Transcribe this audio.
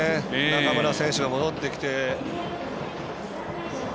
中村選手が戻ってきて。